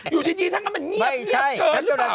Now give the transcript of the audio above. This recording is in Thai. อยู่ดีถ้างั้นมันเงียบเกินหรือเปล่า